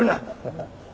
ハハハ。